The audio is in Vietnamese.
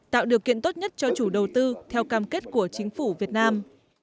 tạo điều kiện tốt nhất cho chủ đầu tư theo cam kết của chính phủ việt nam